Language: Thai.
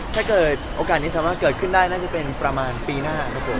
ถ้าเกิดโอกาสนี้เกิดขึ้นได้น่าจะเป็นประมาณปีหน้า